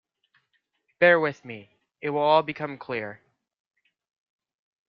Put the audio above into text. Bear with me; it will all become clear.